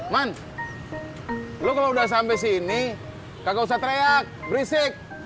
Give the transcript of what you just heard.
man lo kalau udah sampai sini gak usah teriak berisik